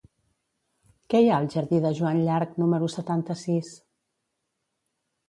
Què hi ha al jardí de Joan Llarch número setanta-sis?